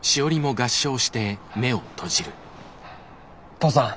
父さん